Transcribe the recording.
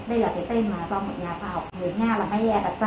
đây là cái tên mà do nhà khoa học người nga là mayer đặt ra